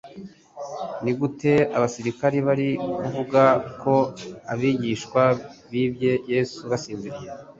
Ni gute abasirikari bari kuvuga ko abigishwa bibye Yesu basinziriye?